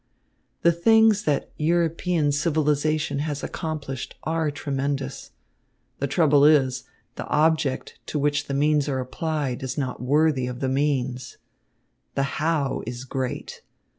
The things that European civilisation has accomplished are tremendous. The trouble is, the object to which the means are applied is not worthy of the means. The how is great.